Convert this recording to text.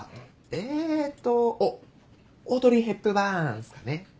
えっとオオードリー・ヘプバーンすかね？